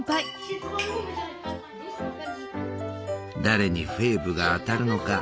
誰にフェーブが当たるのか。